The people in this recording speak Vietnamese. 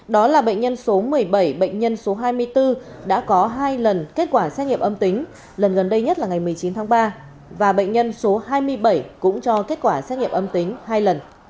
đó là bệnh nhân số một mươi bảy bệnh nhân số hai mươi bốn đã có hai lần kết quả xét nghiệm âm tính lần gần đây nhất là ngày một mươi chín tháng ba và bệnh nhân số hai mươi bảy cũng cho kết quả xét nghiệm âm tính hai lần